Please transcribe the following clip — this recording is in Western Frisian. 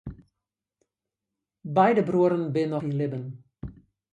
Beide bruorren binne noch yn libben.